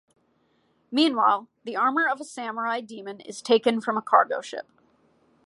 Meanwhile, the armor of a samurai demon is taken from a cargo ship.